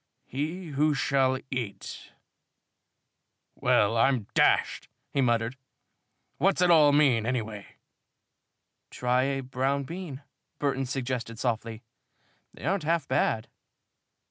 He who shall eat " "Well, I'm d d!" he muttered. "What's it all mean, anyway?" "Try a brown bean," Burton suggested softly. "They aren't half bad."